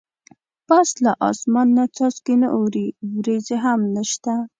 پاس له اسمان نه څاڅکي نه اوري ورېځې هم نشته.